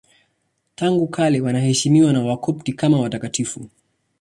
Tangu kale wanaheshimiwa na Wakopti kama watakatifu.